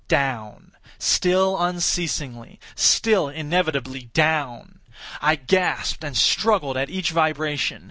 Down—still unceasingly—still inevitably down! I gasped and struggled at each vibration.